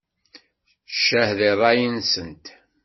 Ccah di ṛṛay-nsent!